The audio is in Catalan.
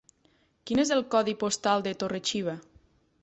Quin és el codi postal de Torre-xiva?